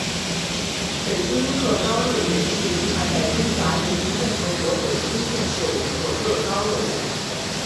北京乐高乐园是计划在中华人民共和国北京建设的一座乐高乐园。